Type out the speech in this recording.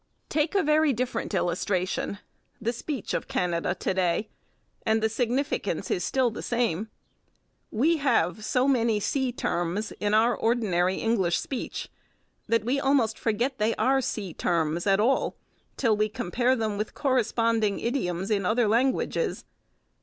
Take a very different illustration the speech of Canada to day and the significance is still the same. We have so many sea terms in our ordinary English speech that we almost forget that they are sea terms at all till we compare them with corresponding idioms in other languages.